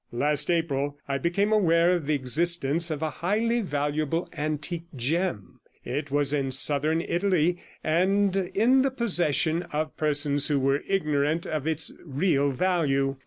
Last April I became aware of the existence of a highly valuable antique gem; it was in southern Italy, and in the possession of persons who were ignorant of its real value.